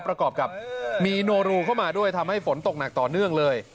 ประกอบกับมีโนรูเข้ามาด้วยทำให้ฝนตกหนักต่อเนื่องเลย